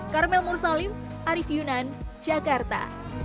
karmel mursalim arief yunan jakarta